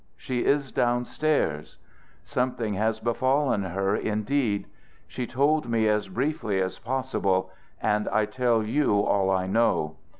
She is down stairs. Something had befallen her indeed. She told me as briefly as possible and I tell you all I know.